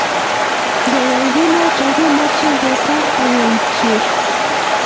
Ngeyai kounoto kemuchi ketar akkeutye